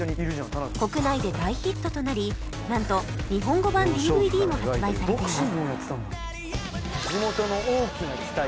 国内で大ヒットとなりなんと日本語版 ＤＶＤ も発売されています